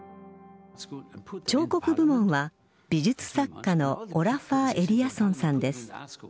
彫刻部門は美術作家のオラファー・エリアソンさんです。